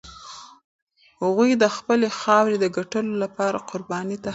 هغوی د خپلې خاورې د ګټلو لپاره قربانۍ ته حاضر شول.